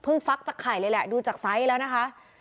ฟักจากไข่เลยแหละดูจากไซส์แล้วนะคะ